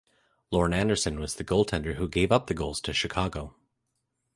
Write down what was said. Lorne Anderson was the goaltender who gave up the goals to Chicago.